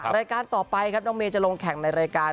รายการต่อไปครับน้องเมย์จะลงแข่งในรายการ